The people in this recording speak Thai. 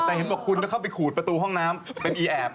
ไม่รู้ว่าคุณเข้าไปขูดประตูห้องน้ำเป็นอีแอบ